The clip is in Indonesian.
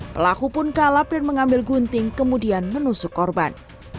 pelaku pun kalap dan mengambil gunting kemudian menusuk korban